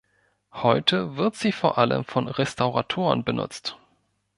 Heute wird sie vor allem von Restauratoren benutzt.